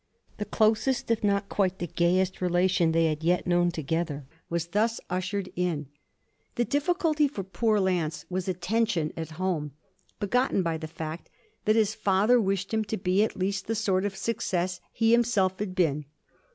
The closest if not quite the gayest relation they had yet known together was thus ushered in. The difficulty for poor Lance was a tension at home begotten by the fact that his father wished him to be at least the sort of success he himself had been.